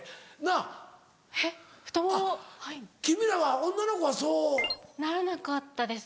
あっ君らは女の子はそう。ならなかったです。